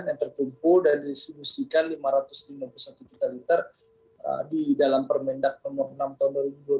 yang terkumpul dan distribusikan lima ratus lima puluh satu juta liter di dalam permendak nomor enam tahun dua ribu dua puluh